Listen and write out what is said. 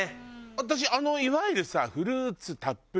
私あのいわゆるさフルーツたっぷり。